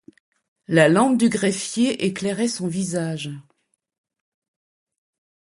La lampe du greffier éclairait son visage.